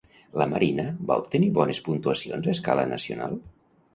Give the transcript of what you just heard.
La Marina va obtenir bones puntuacions a escala nacional?